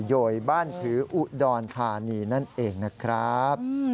โยยบ้านผืออุดรธานีนั่นเองนะครับ